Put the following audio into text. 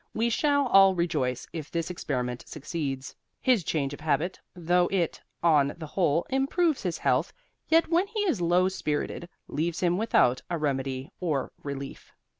We shall all rejoice if this experiment succeeds.... His change of habit, though it, on the whole, improves his health, yet when he is low spirited, leaves him without a remedy or relief.